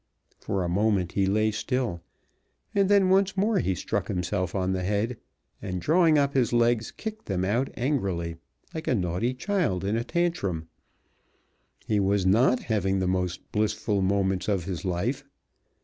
For a moment he lay still and then once more he struck himself on the head, and drawing up his legs kicked them out angrily, like a naughty child in a tantrum. He was not having the most blissful moments of his life.